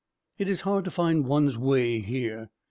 It is hard to find one's way here.